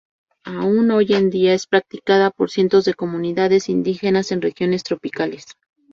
Aún hoy en día es practicada por cientos de comunidades indígenas en regiones tropicales.